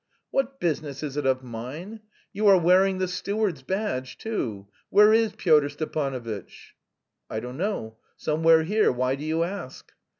"What business is it of mine? You are wearing the steward's badge, too.... Where is Pyotr Stepanovitch?" "I don't know, somewhere here; why do you ask?"